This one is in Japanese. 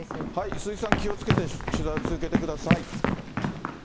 鈴木さん、気をつけて取材を続けてください。